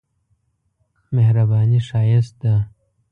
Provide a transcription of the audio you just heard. مهرباني ښايست ده.